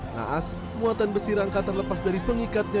naas muatan besi rangka terlepas dari pengikatnya